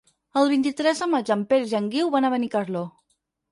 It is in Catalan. El vint-i-tres de maig en Peris i en Guiu van a Benicarló.